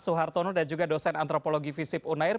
suhartono dan juga dosen antropologi visip unair